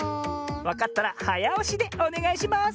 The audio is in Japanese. わかったらはやおしでおねがいします！